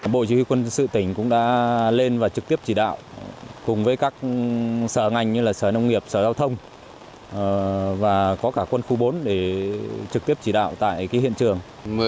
bộ chỉ huy quân sự tỉnh cũng đã lên và trực tiếp chỉ đạo cùng với các sở ngành như là sở nông nghiệp sở giao thông và có cả quân khu bốn để trực tiếp chỉ đạo tại hiện trường